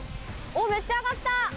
おっめっちゃ上がった！